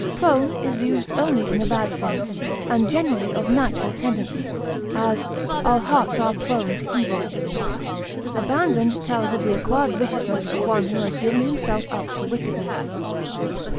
Prone is used only in a bad sense, and generally of natural tendencies; as, our hearts are prone to evil. Abandoned tells of the acquired viciousness of one who has given himself up to wickedness.